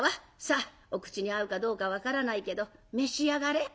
さあお口に合うかどうか分からないけど召し上がれ」。